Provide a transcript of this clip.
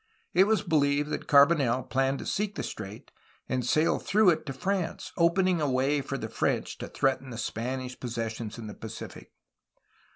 It was believed that Carbonel planned to seek the strait and sail through it to France, opening a way for the French to threaten the Spanish possessions in the Pacific.